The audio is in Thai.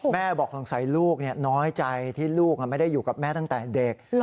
บอกสงสัยลูกน้อยใจที่ลูกไม่ได้อยู่กับแม่ตั้งแต่เด็ก